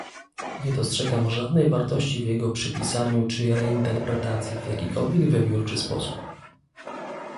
Nie dostrzegam żadnej wartości w jego przepisaniu czy reinterpretacji w jakikolwiek wybiórczy sposób